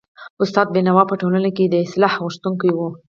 استاد بينوا په ټولنه کي د اصلاح غوښتونکی و.